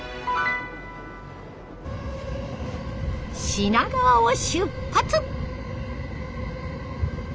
品川を出発！